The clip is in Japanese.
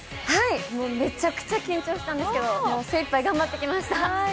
もうめちゃくちゃ緊張したんですけど、精いっぱい頑張ってきました。